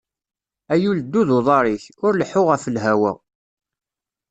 A yul ddu d uḍaṛ-ik, ur leḥḥu ɣef lhawa!